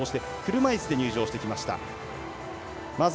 車いすで入場してきます。